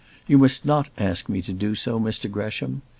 You must not ask me to do so; Mr Gresham.